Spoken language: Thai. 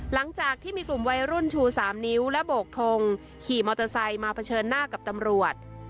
หลังจากที่มีกลุ่มวัยรุ่นชู๓นิ้วและโบกทงขี่มอเตอร์ไซค์มาเผชิญหน้ากับตำรวจ